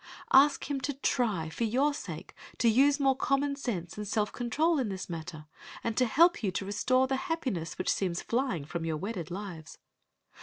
Ask him to try, for your sake, to use more common sense and self control in this matter, and to help you to restore the happiness which seems flying from your wedded lives.